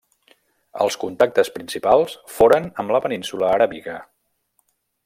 Els contactes principals foren amb la península Aràbiga.